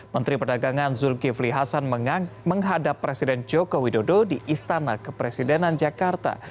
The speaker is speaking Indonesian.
menteri perdagangan zulkifli hasan menghadap presiden joko widodo di istana kepresidenan jakarta